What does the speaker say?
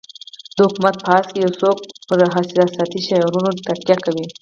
د حکومت په راس کې یو څوک پر احساساتي شعارونو تکیه کوي.